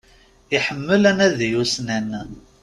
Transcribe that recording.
Iḥemmel anadi ussnan.